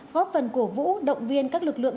góp phần cổ vũ động viên các lực lượng